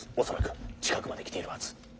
恐らく近くまで来ているはず。